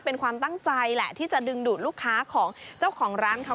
เป็นความตั้งใจแหละที่จะดึงดูดลูกค้าของเจ้าของร้านเขา